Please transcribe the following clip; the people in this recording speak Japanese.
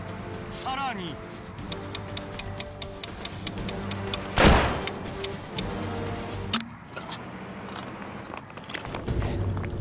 さらにあっ。